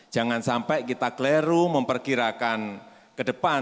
jangan sampai kita kleru memperkirakan ke depan